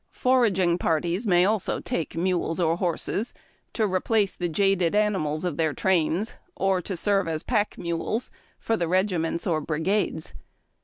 Foraging parties may also take mules or horses, to replace the jaded animals of their trains or to serve as pack mules, for tlie regiments or bri gades.